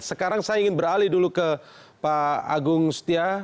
sekarang saya ingin beralih dulu ke pak agung setia